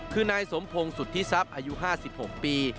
คือนายสมพงศ์สุธิทรัพย์อายุ๕๖ปี